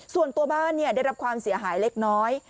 ส่วนตัวบ้านได้รับความเสียหายเล็กน้อย